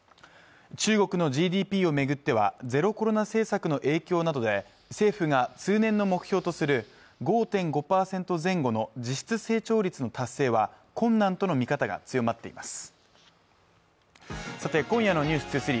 中国のＧＤＰを巡ってはゼロコロナ政策の影響などで政府が通年の目標とする５．５％前後の実質成長率の達成は困難との見方が強まっています